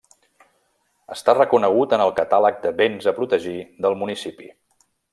Està reconegut en el catàleg de béns a protegir del municipi.